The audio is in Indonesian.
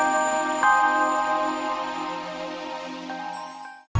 sampai jumpa di video selanjutnya